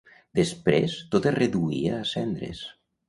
Després tot es reduïa a cendres.